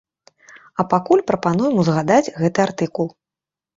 А пакуль прапануем узгадаць гэты артыкул.